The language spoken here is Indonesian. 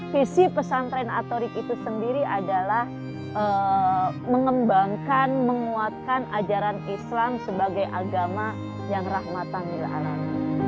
visi pesantren atorik itu sendiri adalah mengembangkan menguatkan ajaran islam sebagai agama yang rahmatanil alam